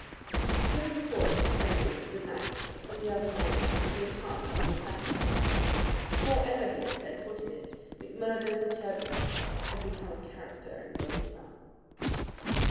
There was a chorus of friendly "Good nights" from the other miners as they passed from the platform. Before ever he had set foot in it, McMurdo the turbulent had become a character in Vermissa.